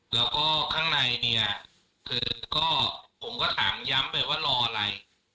แล้วก็ข้างในเนี่ยคือก็ผมก็ถามย้ำไปว่ารออะไร